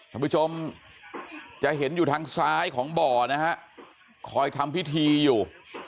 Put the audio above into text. ท่านผู้ชมจะเห็นอยู่ทางซ้ายของบ่อนะฮะคอยทำพิธีอยู่